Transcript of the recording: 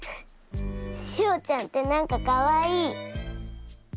しおちゃんって何かかわいい！